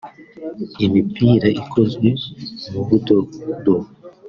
imipira ikozwe mu budodo